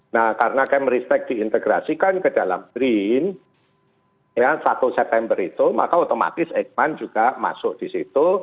nah karena kemeristek diintegrasikan ke dalam brin satu september itu maka otomatis eijkman juga masuk di situ